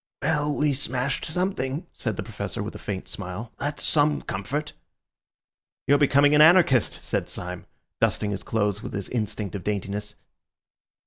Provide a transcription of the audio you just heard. "Well, we smashed something," said the Professor, with a faint smile. "That's some comfort." "You're becoming an anarchist," said Syme, dusting his clothes with his instinct of daintiness.